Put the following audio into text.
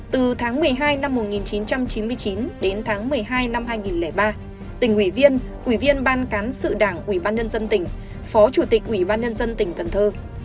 từ tháng một mươi hai năm một nghìn chín trăm chín mươi chín đến tháng một mươi hai năm hai nghìn ba tỉnh ủy viên ủy viên ban cán sự đảng ubnd tỉnh phó chủ tịch ubnd tỉnh cần thơ